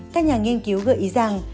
các nhà nghiên cứu gợi ý rằng